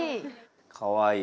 かわいい。